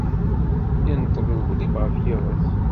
Inṭeḍ uglim ɣef yiɣes.